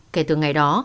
kể từ ngày đó